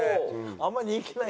あんまり人気ない。